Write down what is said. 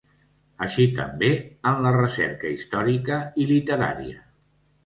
Així també en la recerca històrica i literària.